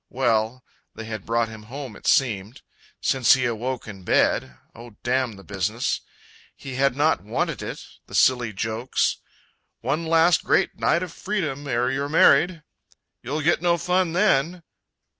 well, they had brought him home it seemed, Since he awoke in bed oh, damn the business! He had not wanted it the silly jokes, "One last, great night of freedom ere you're married!" "You'll get no fun then!"